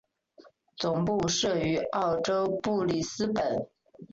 总部设于澳洲布里斯本。